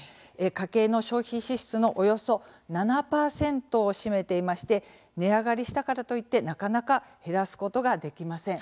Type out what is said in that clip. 家計の消費支出のおよそ７％を占めていまして値上がりしたからといってなかなか減らすことができません。